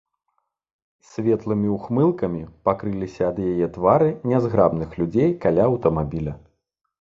Светлымі ўхмылкамі пакрыліся ад яе твары нязграбных людзей каля аўтамабіля.